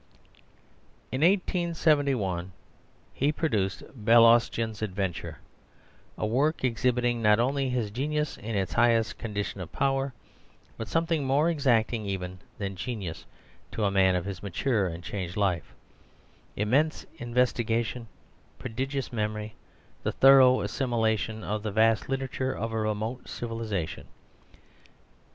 In 1871 he produced Balaustion's Adventure, a work exhibiting not only his genius in its highest condition of power, but something more exacting even than genius to a man of his mature and changed life, immense investigation, prodigious memory, the thorough assimilation of the vast literature of a remote civilisation.